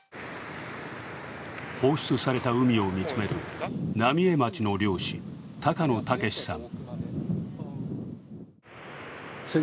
放出された海を見つめる浪江町の漁師、高野武さん。